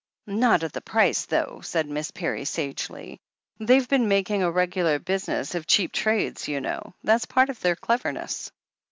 "Not at the price though," said Miss Parry sagely. "They've been making a regular business of cheap trades, you know. That's part of their cleverness."